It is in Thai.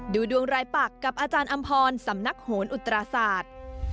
ดูดวงรายปักกับอาจารย์อำพรสำนักโหนอุตราศาสตร์